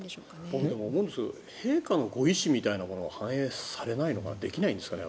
僕、思うんですけど陛下のご意思みたいなものは反映されないのかなできないんですかね